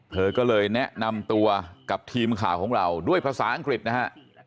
เธอก็เลยแนะนำตัวกับทีมข่าวของเราด้วยภาษาอังกฤษนะฮะ